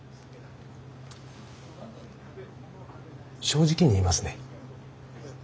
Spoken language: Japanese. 正直に言いますね。